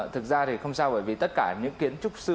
thực ra thì không sao bởi vì tất cả những kiến trúc sư